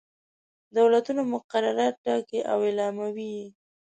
دولتونه مقررات ټاکي او اعلاموي.